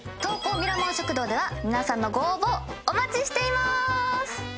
ミラモン食堂では皆さんのご応募お待ちしていまーす。